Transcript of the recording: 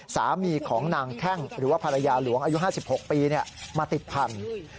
สามีของนางแข้งหรือว่าภรรยาหลวงอายุ๕๖ปีมาติดพันธุ์